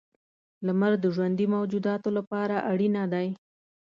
• لمر د ژوندي موجوداتو لپاره اړینه دی.